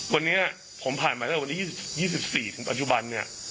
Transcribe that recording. วันนี้ผมผ่านมาจากวันนี้๒๔ถึงปัจจุบัน